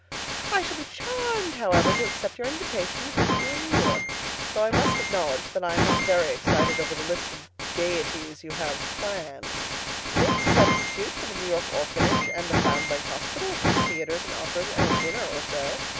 I shall be charmed, however, to accept your invitation to visit you in New York, though I must acknowledge that I am not very excited over the list of gaieties you have planned. Please substitute for the New York Orphanage and the Foundling Hospital a few theaters and operas and a dinner or so.